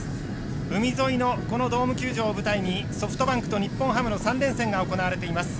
海沿いのこのドーム球場を舞台にソフトバンクと日本ハムの３連戦が行われています。